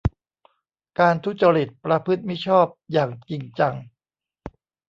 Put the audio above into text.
การทุจริตประพฤติมิชอบอย่างจริงจัง